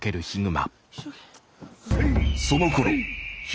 そのころ悲